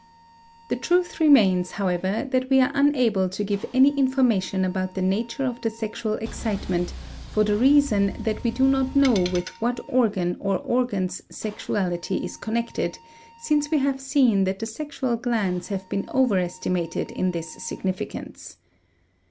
* The truth remains, however, that we are unable to give any information about the nature of the sexual excitement for the reason that we do not know with what organ or organs sexuality is connected, since we have seen that the sexual glands have been overestimated in this significance.